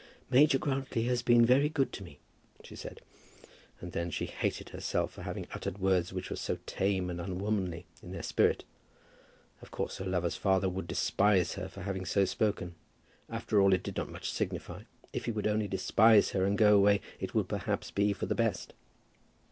"Major Grantly has been very good to me," she said, and then she hated herself for having uttered words which were so tame and unwomanly in their spirit. Of course her lover's father would despise her for having so spoken. After all it did not much signify. If he would only despise her and go away, it would perhaps be for the best.